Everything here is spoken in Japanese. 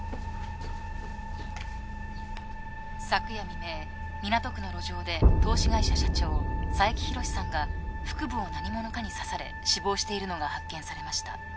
昨夜未明港区の路上で投資会社社長佐伯博史さんが腹部を何者かに刺され死亡しているのが発見されました。